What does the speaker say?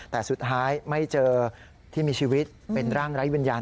แต่สุดท้ายไม่เจอที่มีชีวิตเป็นร่างไร้วิญญาณ